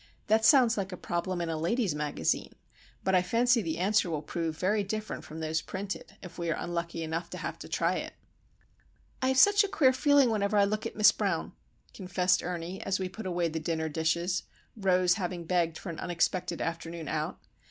That sounds like a problem in a Lady's Magazine; but I fancy the answer will prove very different from those printed, if we are unlucky enough to have to try it. "I have such a queer feeling whenever I look at Miss Brown," confessed Ernie, as we put away the dinner dishes,—Rose having begged for an unexpected afternoon out.